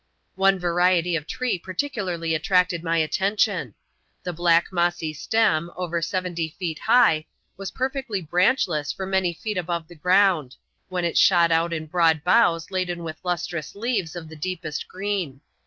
One variety of tree particularly attracted my attention. The dark mossy stem, over seventy feet high, was perfectly branch less for many feet above the ground, when it shot out in broad boughs laden with lustrous leaves of the deepest green.